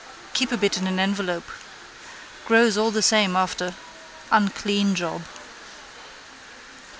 Keep a bit in an envelope. Grows all the same after. Unclean job.